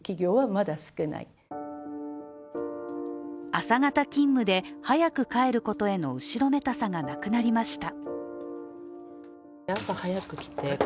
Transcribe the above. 朝型勤務で早く帰ることへの後ろめたさがなくなりました。